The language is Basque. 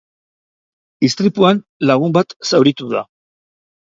Istripuan lagun bat zauritu da.